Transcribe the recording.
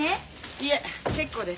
いえ結構です。